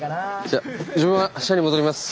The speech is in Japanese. じゃ自分は社に戻ります。